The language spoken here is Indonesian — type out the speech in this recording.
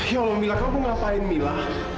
ya allah kamil kamu ngapain mila